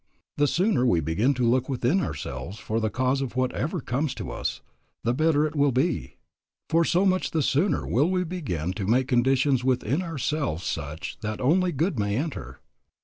The sooner we begin to look within ourselves for the cause of whatever comes to us, the better it will be, for so much the sooner will we begin to make conditions within ourselves such that only good may enter.